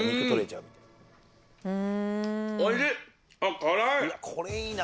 うん！